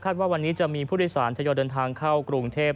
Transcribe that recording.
ว่าวันนี้จะมีผู้โดยสารทยอยเดินทางเข้ากรุงเทพ